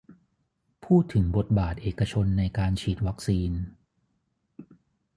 พูดถึงบทบาทเอกชนในการฉีดวัคซีน